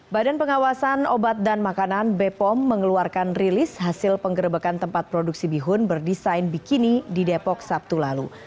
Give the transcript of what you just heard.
badan pengawasan obat dan makanan bepom mengeluarkan rilis hasil penggerebekan tempat produksi bihun berdesain bikini di depok sabtu lalu